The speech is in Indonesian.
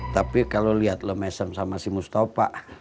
tapi kalau liat lo mesem sama si mustafa